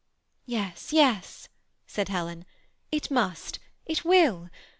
''Yes, yes," said Helen, ''it must, it will.